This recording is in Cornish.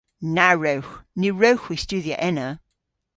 Na wrewgh. Ny wrewgh hwi studhya ena.